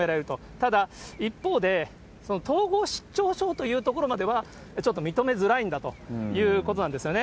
ただ、一方で、統合失調症というところまでは、ちょっと認めづらいんだということなんですよね。